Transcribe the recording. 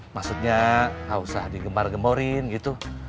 maksudnya nggak usah digembar gemorin gitu